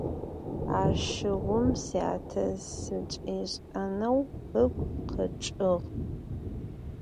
Aşığum, syate sıç'iş'eneu ıgu kheç'ığ.